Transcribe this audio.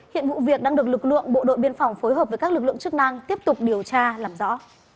hiện vụ việc đang được lực lượng bộ đội biên phòng phối hợp với các lực lượng chức năng tiếp tục điều tra làm rõ